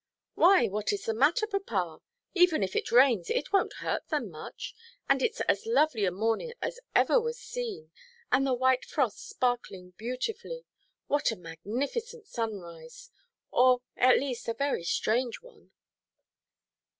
"Why, what is the matter, papa? Even if it rains, it wonʼt hurt them much. And itʼs as lovely a morning as ever was seen, and the white frost sparkling beautifully. What a magnificent sunrise! Or, at least, a very strange one."